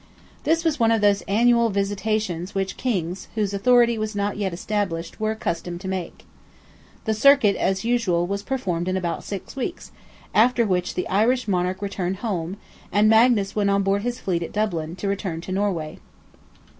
This was one of those annual visitations which kings, whose authority was not yet established, were accustomed to make. The circuit, as usual, was performed in about six weeks, after which the Irish monarch returned home, and Magnus went on board his fleet at Dublin, to return to Norway.